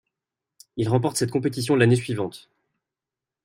Il remporte cette compétition l'année suivante.